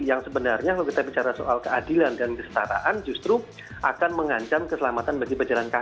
yang sebenarnya kalau kita bicara soal keadilan dan kesetaraan justru akan mengancam keselamatan bagi pejalan kaki